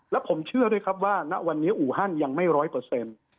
และผมเชื่อด้วยครับว่าณวันนี้อูฮันยังไม่ร้อยเปอร์เซ็นต์